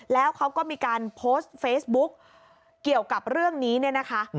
แล้วเขาก็มีการโพสต์เฟซบุ๊กเกี่ยวกับเรื่องนี้เนี่ยนะคะ